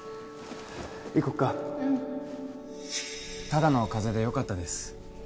ただの風邪でよかったです